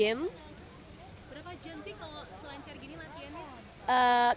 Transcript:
berapa jam sih kalau selancar gini latihannya